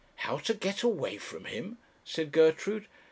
'How to get away from him?' said Gertrude.